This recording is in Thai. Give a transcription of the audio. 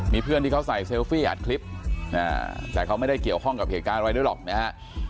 มีเพื่อนที่เขาใส่เซลฟี่อัดคลิปแต่เขาไม่ได้เกี่ยวข้องกับเหตุการณ์อะไรด้วยหรอกนะฮะ